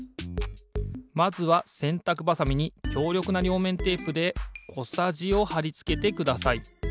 まずはせんたくばさみにきょうりょくなりょうめんテープでこさじをはりつけてください。